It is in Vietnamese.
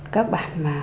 các bản mà